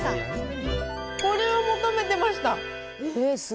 これを求めてました。